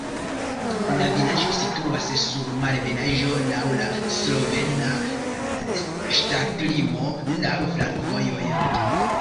La vilaĝo situas sur malebenaĵo, laŭ la slovena ŝtatlimo, laŭ flankovojoj.